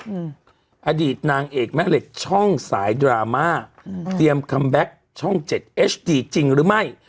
อืมอดีตนางเอกแม่เหล็กช่องสายดราม่าอืมเตรียมคัมแบ็คช่องเจ็ดเอชดีจริงหรือไม่